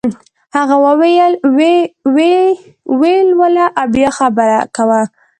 هغه وویل ویې لوله او بیا خبره کوه.